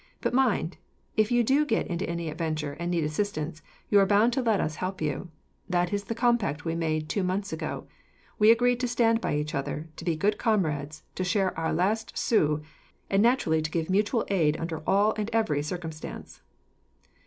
But mind, if you do get into any adventure and need assistance, you are bound to let us help you. That is the compact we made, two months ago. We agreed to stand by each other, to be good comrades, to share our last sous, and naturally to give mutual aid under all and every circumstance."